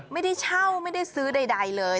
ไม่ได้เช่าไม่ได้ซื้อใดเลย